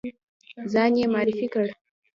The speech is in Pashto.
ځان یې معرفي کړ.